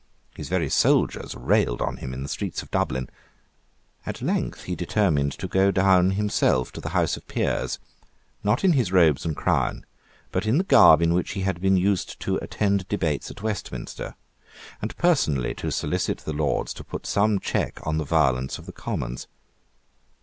His very soldiers railed on him in the streets of Dublin. At length he determined to go down himself to the House of Peers, not in his robes and crown, but in the garb in which he had been used to attend debates at Westminster, and personally to solicit the Lords to put some check on the violence of the Commons.